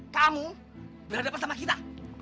kamu berhadapan sama kita